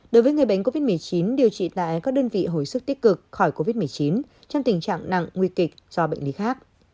đối với người bệnh covid một mươi chín điều trị tại các đơn vị hồi sức tích cực khỏi covid một mươi chín trong tình trạng nặng nguy kịch do bệnh lý khác